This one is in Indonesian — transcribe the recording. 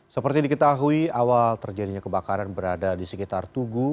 seperti diketahui awal terjadinya kebakaran berada di sekitar tugu